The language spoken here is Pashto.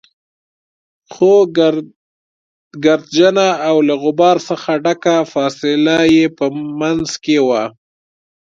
خو ګردجنه او له غبار څخه ډکه فاصله يې په منځ کې وه.